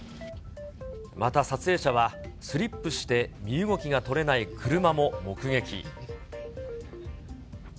また撮影者は、スリップして身動きが取れない車も目撃。